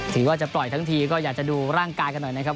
ถือว่าจะปล่อยทั้งทีก็อยากจะดูร่างกายกันหน่อยนะครับ